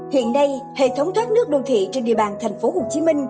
hiện nay hệ thống thoát nước đô thị trên địa bàn tp hcm